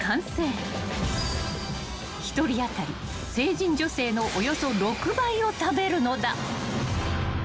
［１人当たり成人女性のおよそ６倍を食べるのだ］